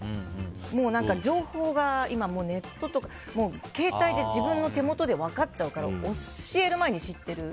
もう情報が今ネットとか携帯で自分の手元で分かっちゃうから教える前に知っている。